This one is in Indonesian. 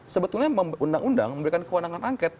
sebetulnya undang undang memberikan kewenangan angket